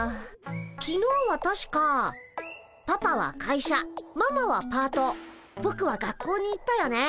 きのうはたしかパパは会社ママはパートぼくは学校に行ったよね。